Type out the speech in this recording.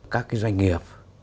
các doanh nghiệp